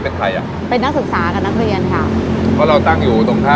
เพราะเราตั้งอยู่ตรงทำ